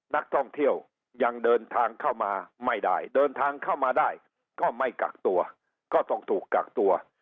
นักท่องเที่ยวยังเดินทางเข้ามาไม่ได้เดินทางเข้ามาได้ก็ไม่กักตัวก็ต้องถูกกักตัว